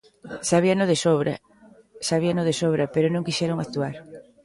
Sabíano de sobra; sabíano de sobra, pero non quixeron actuar.